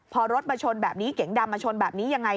พอรถเก๋งดำมาชนแบบนี้ยังไง